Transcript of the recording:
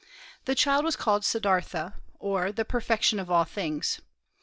The child was called Siddârtha, or "the perfection of all things."